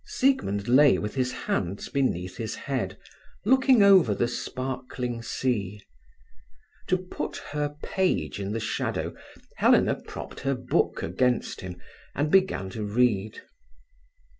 Siegmund lay with his hands beneath his head, looking over the sparkling sea. To put her page in the shadow, Helena propped her book against him and began to read.